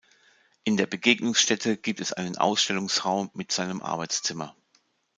In der Begegnungsstätte gibt es einen Ausstellungsraum mit seinem Arbeitszimmer.